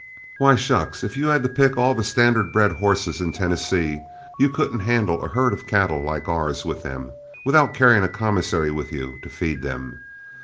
Why, shucks! if you had the pick of all the standard bred horses in Tennessee, you couldn't handle a herd of cattle like ours with them, without carrying a commissary with you to feed them.